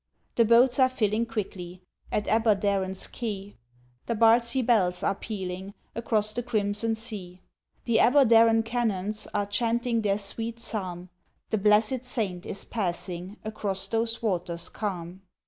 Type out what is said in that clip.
The boats are filling quickly At Aberdaron's quay, The Bardsey bells are pealing, Across the crimson sea. The Aberdaron Canons Are chanting their sweet Psalm, The blessed Saint is passing Across those waters calm.